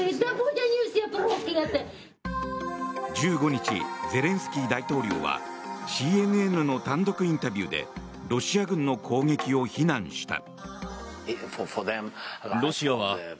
１５日、ゼレンスキー大統領はＣＮＮの単独インタビューでロシア軍の攻撃を非難した。